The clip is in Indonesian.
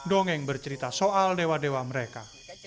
dongeng bercerita soal dewa dewa mereka